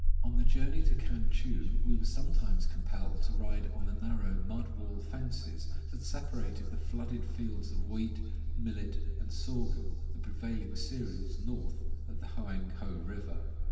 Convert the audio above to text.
On the journey to Kan chou we were sometimes compelled to ride on the narrow mud wall fences that separated the flooded fields of wheat, millet, and sorghum, the prevailing cereals north of the Hoang ho river.